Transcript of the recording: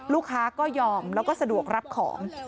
ลูกค้าก็ยอมแล้วก็สะดวกรับของ